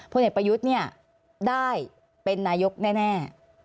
เด็กประยุทธ์เนี่ยได้เป็นนายกแน่